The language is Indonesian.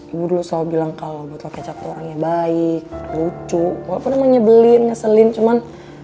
ibu dulu selalu bilang kalo botol kecap itu orangnya baik lucu walaupun emang nyebelin ngeselin cuman